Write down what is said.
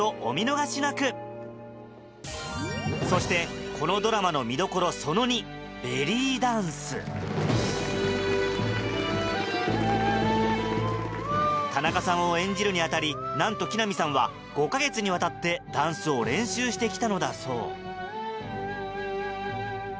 そしてこのドラマの田中さんを演じるに当たりなんと木南さんは５か月にわたってダンスを練習してきたのだそう